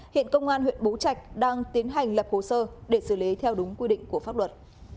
hiện công an huyện bố trạch đang tiến hành lập hồ sơ để xử lý theo đúng quy định của pháp luật